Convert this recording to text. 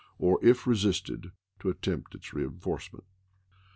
or if resisted to attempt its reenforcement.